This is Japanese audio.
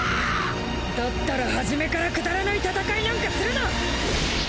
だったらはじめからくだらない闘いなんかするな！